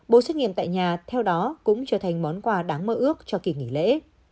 bộ xét nghiệm tại nhà theo đó cũng trở thành món quà đáng mơ ước cho kỳ nghỉ lễ